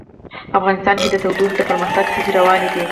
افغانستان کې د تودوخه د پرمختګ هڅې روانې دي.